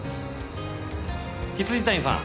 未谷さん。